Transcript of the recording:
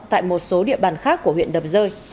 tại một số địa bàn khác của huyện đầm rơi